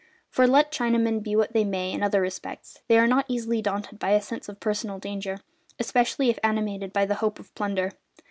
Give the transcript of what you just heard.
For, let Chinamen be what they may in other respects, they are not easily daunted by a sense of personal danger, especially if animated by the hope of plunder.